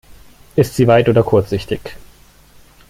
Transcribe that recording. Ist sie weit- oder kurzsichtig?